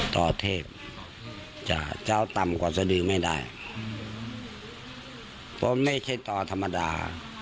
ต่อเทพจะเท้าต่ำกว่าสดือไม่ได้เพราะไม่ใช่ต่อธรรมดา